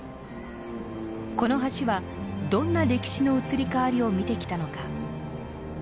この橋はどんな歴史の移り変わりを見てきたのか。